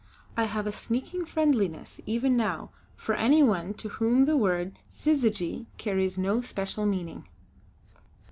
I have a sneaking friendliness even now for anyone to whom the word 'syzygy' carries no special meaning.